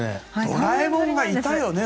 ドラえもんがいたよね